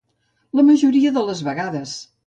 La majoria de les vegades.